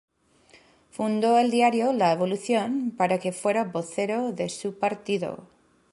Fundó el diario "La Evolución" para que fuera vocero de su partido.